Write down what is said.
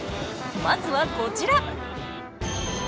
まずはこちら！